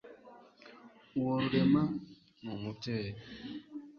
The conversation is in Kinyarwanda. uwo rurema, ni umubyeyi